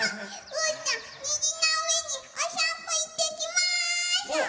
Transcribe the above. うーたんにじのうえにおさんぽいってきます！